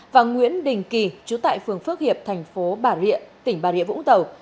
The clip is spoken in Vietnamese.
và nguyễn đình kỳ trú tại phường phước hiệp thành phố bà rịa tỉnh bà rịa vũng tàu